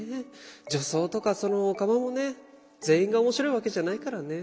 女装とかオカマもね全員が面白いわけじゃないからね。